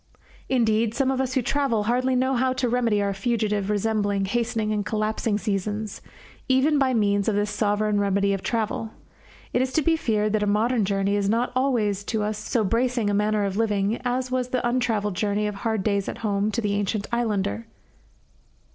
Indeed, some of us who travel hardly know how to remedy our fugitive, resembling, hastening, and collapsing seasons, even by means of this sovereign remedy of travel. It is to be feared that a modern journey is not always to us so bracing a manner of living as was the untravelled journey of hard days at home to the ancient islander.